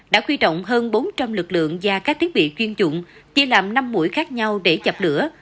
đã huy động hơn bốn trăm linh lực lượng và các thiết bị chuyên dụng chia làm năm mũi khác nhau để chập lửa